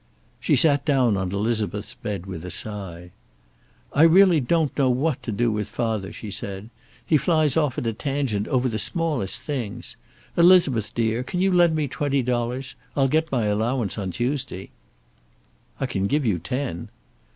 She sat down on Elizabeth's bed with a sigh. "I really don't know what to do with father," she said. "He flies off at a tangent over the smallest things. Elizabeth dear, can you lend me twenty dollars? I'll get my allowance on Tuesday." "I can give you ten."